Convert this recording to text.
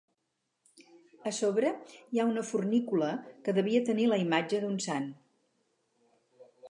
A sobre hi ha una fornícula que devia tenir la imatge d'un Sant.